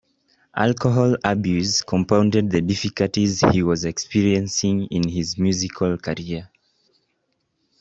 Alcohol abuse compounded the difficulties he was experiencing in his musical career.